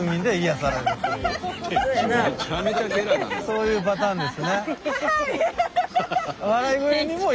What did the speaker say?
そういうパターンですね。